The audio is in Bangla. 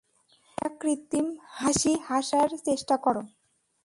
একটা কৃত্রিম হাসি হাসার চেষ্টা করে।